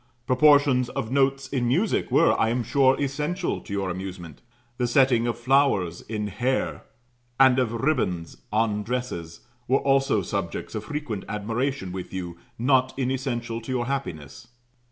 Proportions of notes in music were, I am sure, essential to your amusement; the setting of flowers in hair, and of ribands on dresses, were also subjects of frequent admiration with you, not inessential to your happiness.